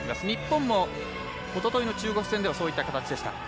日本もおとといの中国戦ではそういった形でした。